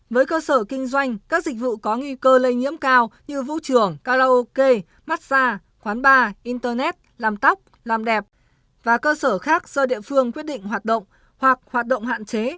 với cơ sở kinh doanh các dịch vụ có nghi cơ lây nhiễm cao như vũ trường karaoke massage quán bar internet làm tóc làm đẹp và cơ sở khác do địa phương quyết định hoạt động hoặc hoạt động hạn chế